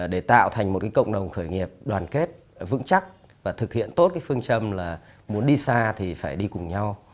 để tạo thành một cộng đồng khởi nghiệp đoàn kết vững chắc và thực hiện tốt cái phương châm là muốn đi xa thì phải đi cùng nhau